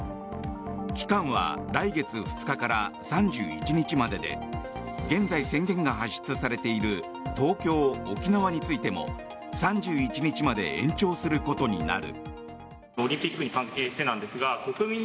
期間は来月２日から３１日までで現在宣言が発出されている東京、沖縄についても３１日まで延長することになる。